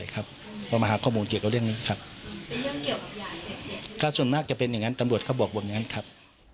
ถ้าส่งมากจะเป็นอย่างงั้นตำรวจเค้าบอกผมอย่างงั้นครับ